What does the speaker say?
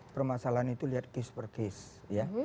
permasalahan itu lihat case per case ya